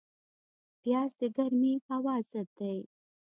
پیاز د ګرمې هوا ضد دی